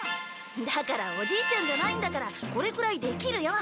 だからおじいちゃんじゃないんだからこれくらいできるよ。